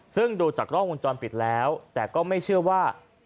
ซึ่งดูจากกล้องวงจรปิดแล้วแต่ก็ไม่เชื่อว่า